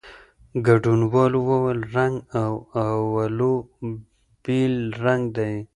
ګډونوالو وویل، رنګ "اولو" بېل رنګ دی.